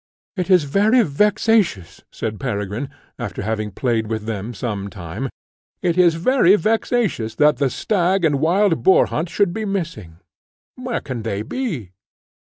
"It is very vexatious," said Peregrine, after having played with them some time "it is very vexatious that the stag and wild boar hunt should be missing. Where can they be?